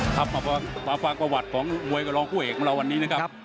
ครับมาฟังประวัติของมวยกับรองคู่เอกของเราวันนี้นะครับ